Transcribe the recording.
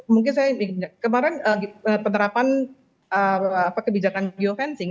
mungkin saya kemarin penerapan kebijakan geofencing